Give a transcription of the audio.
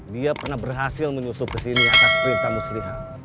dia pernah berhasil menyusup kesini atas perintah muslihat